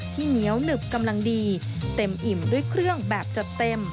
ที่เหนียวหนึบกำลังดีเต็มอิ่มด้วยเครื่องแบบจัดเต็ม